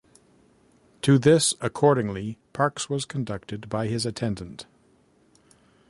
To this accordingly Parks was conducted by his attendant.